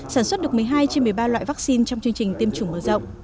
sản xuất được một mươi hai trên một mươi ba loại vaccine trong chương trình tiêm chủng mở rộng